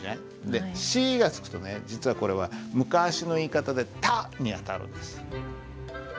で「し」がつくとね実はこれは昔の言い方で「た」にあたるんです。